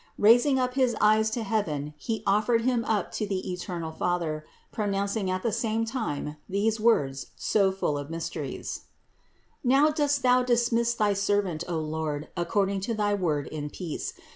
Raising up his eyes to THE INCARNATION 509 heaven he offered Him up to the eternal Father, pro nouncing at the same time these words so full of mys teries: "Now dost thou dismiss thy servant, O Lord, ac cording to thy Word in peace.